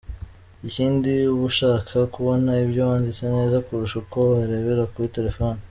Ikindi uba ubasha kubona ibyo wanditse neza kurusha uko warebera kuri telefoni.